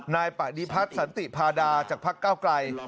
นายประดิภัทธ์สันติพาดาจากภาคเก้าไกร